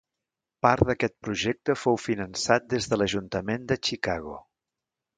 Part d'aquest projecte fou finançat des de l'ajuntament de Chicago.